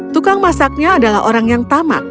tukang masaknya adalah orang yang tamak